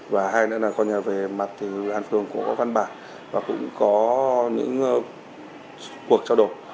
và hai nữa là con nhà về mặt thì bàn phường cũng có văn bản và cũng có những cuộc trao đổi